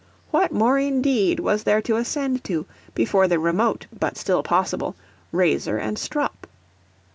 What more, indeed, was there to ascend to, before the remote, but still possible, razor and strop?